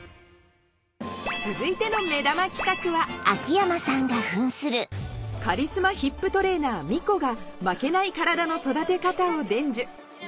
続いての目玉企画はカリスマヒップトレーナーＭＩＣＯが負けないカラダの育て方を伝授